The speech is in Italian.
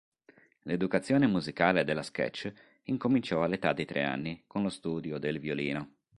L'educazione musicale della Sketch incominciò all'età di tre anni, con lo studio del violino.